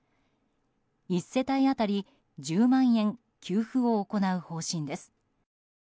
１世帯当たり１０万円給付を行う方針です。